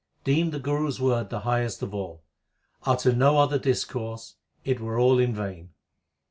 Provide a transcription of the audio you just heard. Deem the Guru s word the highest of all ; Utter no other discourse ; it were all in vain.